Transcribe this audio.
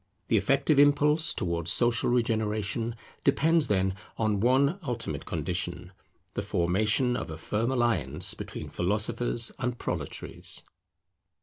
The effective impulse towards social regeneration depends, then, on one ultimate condition; the formation of a firm alliance between philosophers and proletaries.